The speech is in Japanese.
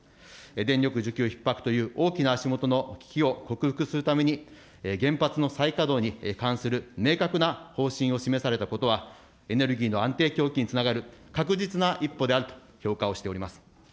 電力需給ひっ迫という大きな足下の危機を克服するために、原発の再稼働に関する明確な方針を示されたことは、エネルギーの安定供給につながる確実な一歩であると評価をしております。